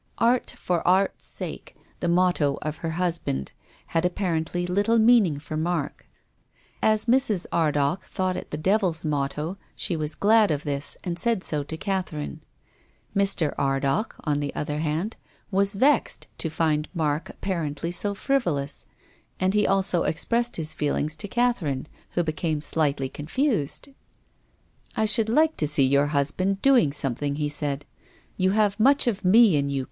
Art for Art's sake — the motto of her husband — had apparently little meaning for Mark. As Mrs. Ardagh thought it the devil's motto she was glad of this and said so to Catherine. Mr. Ar dagh, on the other hand, was vexed to find Mark apparently so frivolous ; and he also expressed his feelings to Catherine, who became slightly confused. " I should like to see your husband doing something," he said. "You have much of me in you.